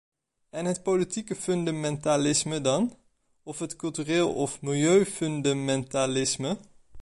En het politiek fundamentalisme dan, of het cultureel of milieufundamentalisme?